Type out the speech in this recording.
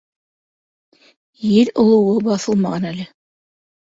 Ел олоуы баҫылмаған әле.